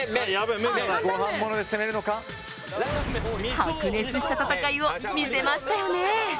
白熱した戦いを見せましたよね。